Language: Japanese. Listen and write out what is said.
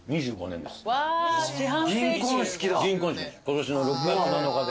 今年の６月７日で。